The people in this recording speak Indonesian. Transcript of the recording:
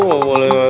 enggak boleh ngantuk